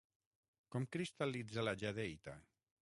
Com cristal·litza la jadeïta?